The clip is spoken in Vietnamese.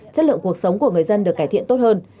chất lượng cuộc sống của người dân được cải thiện tốt hơn